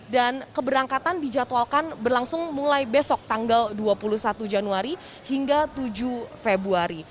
dan keberangkatan dijadwalkan berlangsung mulai besok tanggal dua puluh satu januari hingga tujuh februari